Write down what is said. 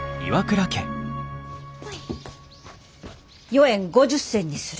４円５０銭にする！